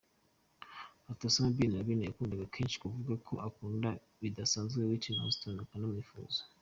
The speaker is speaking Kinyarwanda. Ati “Osama Ben Laden yakundaga kenshi kuvuga ko akunda bidasanzwe Whitney Houston akanamwifuza.